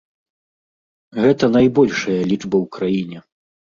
Гэта найбольшая лічба ў краіне.